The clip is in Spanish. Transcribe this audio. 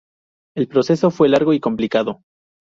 El proceso fue largo y complicado.